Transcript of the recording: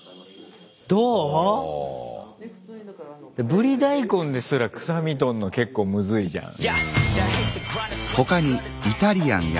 ブリ大根ですら臭み取るの結構むずいじゃん。